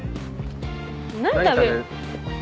何食べる？